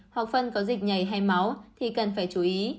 học phân có dịch nhảy hay máu thì cần phải chú ý